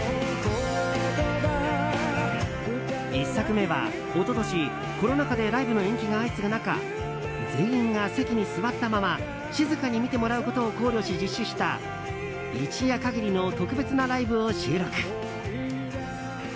１作目は、一昨年、コロナ禍でライブの延期が相次ぐ中全員が席に座ったまま静かに見てもらうことを考慮し実施した一夜限りの特別なライブを収録。